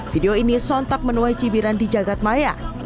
video ini sontak menuai cibiran di jagadmaya